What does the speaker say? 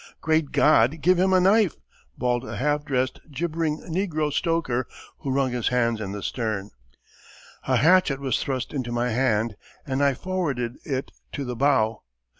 "Great God! Give him a knife," bawled a half dressed, gibbering negro stoker who wrung his hands in the stern. A hatchet was thrust into my hand, and I forwarded it to the bow.